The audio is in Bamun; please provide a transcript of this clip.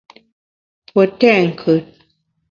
Pue tèt nkùt.